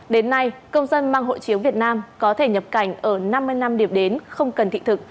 đến nay công dân mang hộ chiếu việt nam có thể nhập cảnh ở năm mươi năm điểm đến không cần thị thực